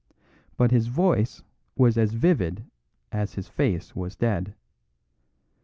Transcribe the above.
But his voice was as vivid as his face was dead.